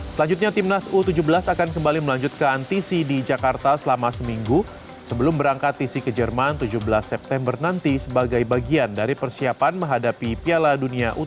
selanjutnya timnas u tujuh belas akan kembali melanjutkan tisi di jakarta selama seminggu sebelum berangkat tisi ke jerman tujuh belas september nanti sebagai bagian dari persiapan menghadapi piala dunia u tujuh belas